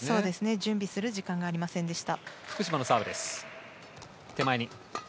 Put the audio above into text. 準備する時間がありませんでした。